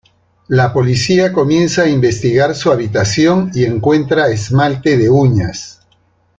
La policía comienza a investigar su habitación y encuentra esmalte de uñas.